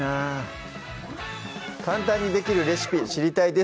簡単にできるレシピ知りたいです